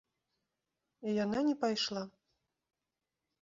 І яна не пайшла.